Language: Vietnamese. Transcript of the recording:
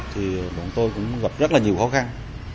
thì bọn tôi cũng gặp rất nhiều khó khăn